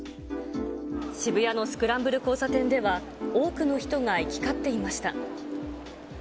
渋谷のスクランブル交差点では多くの人が行き交っていました。